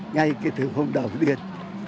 ngay từ hôm đầu tiên